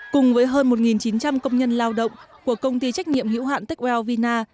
cùng với hơn một chín trăm linh công nhân lao động của công ty trách nhiệm hữu hạn techwell vina